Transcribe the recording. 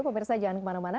pemirsa jangan kemana mana